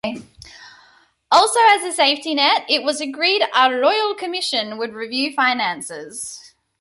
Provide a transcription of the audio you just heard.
Also, as a safety net, it was agreed a Royal Commission would review finances.